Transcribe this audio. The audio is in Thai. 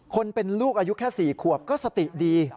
คนเป็นลูกอายุแค่๔ขวบก็สติดี